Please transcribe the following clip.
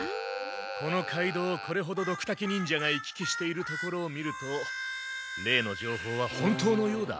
この街道をこれほどドクタケ忍者が行き来しているところを見ると例の情報は本当のようだ。